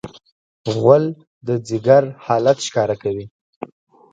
غول د ځیګر حالت ښکاره کوي.